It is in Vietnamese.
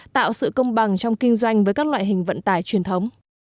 tạo sự công bằng trong kinh doanh với các loại hình vận tải truyền thống